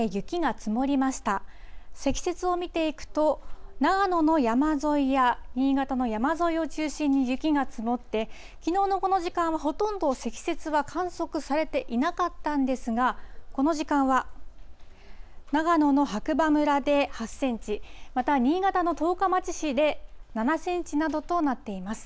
積雪を見ていくと、長野の山沿いや新潟の山沿いを中心に雪が積もって、きのうのこの時間は、ほとんど積雪は観測されていなかったんですが、この時間は、長野の白馬村で８センチ、また新潟の十日町市で７センチなどとなっています。